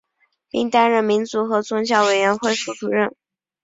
并担任民族和宗教委员会副主任。